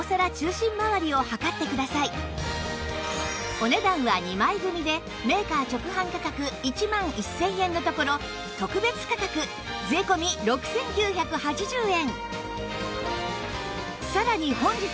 お値段は２枚組でメーカー直販価格１万１０００円のところ特別価格税込６９８０円